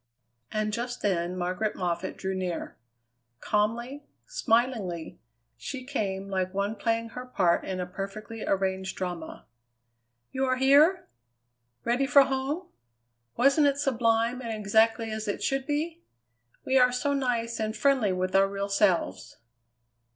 And just then Margaret Moffatt drew near. Calmly, smilingly, she came like one playing her part in a perfectly arranged drama. "You are here? Ready for home? Wasn't it sublime and exactly as it should be? We are so nice and friendly with our real selves."